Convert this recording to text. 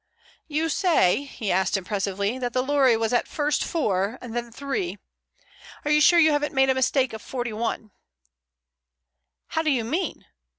"You say," he asked impressively, "that the lorry was at first 4 and then 3. Are you sure you haven't made a mistake of 41?" "How do you mean?"